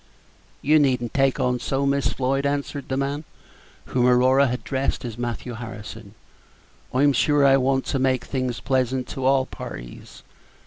"You need n't take on so, Miss Floyd," answered the man, whom Aurora had addressed as Matthew Harrison; "I'm sure I want to make things pleasant to all parties.